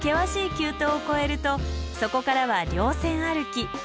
急登を越えるとそこからは稜線歩き。